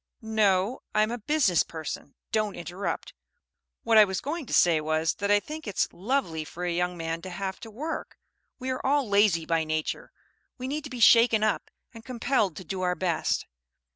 "No I'm a business person. Don't interrupt. What I was going to say was, that I think it's lovely for a young man to have to work! We are all lazy by nature; we need to be shaken up and compelled to do our best.